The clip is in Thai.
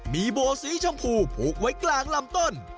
มีโบสีชมพูผูกไว้กลางลำต้น